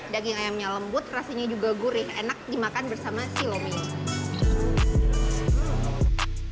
daging ayamnya lembut rasanya juga gurih enak dimakan bersama siloming